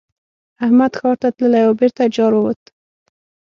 احمد ښار ته تللی وو؛ بېرته جارووت.